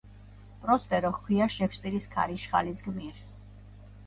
პროსპერო ჰქვია შექსპირის „ქარიშხალის“ გმირს.